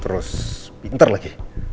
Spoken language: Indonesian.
terus pinter lagi